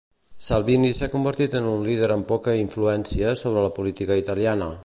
Salvini s'ha convertit en un líder amb poca influència sobre la política italiana.